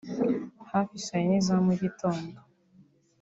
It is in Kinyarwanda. Hafi saa yine za mu gitondo